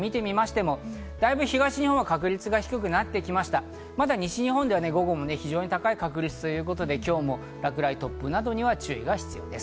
まだ西日本では午後も非常に高い確率ということで、今日も落雷、突風などに注意が必要です。